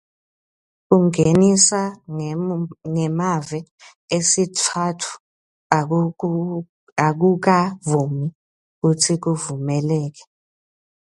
Kungenisa ngemave esitsatfu akukavami kutsi kuvumeleke.